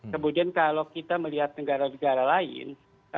kemudian kalau kita melihat negara negara lain